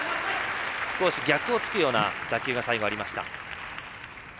少し逆をつくような打球が最後ありました。